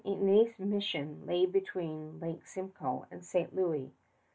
Ignace mission lay between Lake Simcoe and St. Louis.